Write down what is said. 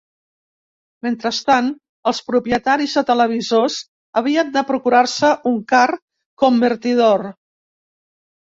Mentrestant, els propietaris de televisors havien de procurar-se un car convertidor.